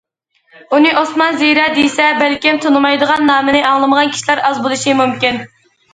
ئۇنى‹‹ ئوسمان زىرە›› دېسە، بەلكىم تونۇمايدىغان، نامىنى ئاڭلىمىغان كىشىلەر ئاز بولۇشى مۇمكىن.